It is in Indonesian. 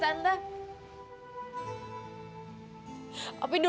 tante saya sangat sedih